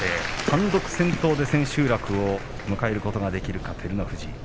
単独先頭で千秋楽を迎えることができるか照ノ富士。